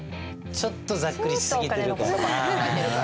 ちょっとざっくりし過ぎてるかな。